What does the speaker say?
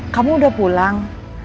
kamu udah pulang